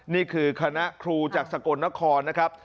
นี่คือคณะครูจากสกลนครนะครับ